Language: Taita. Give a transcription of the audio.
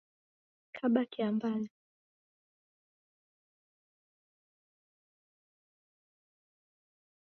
Kaba kiambazi.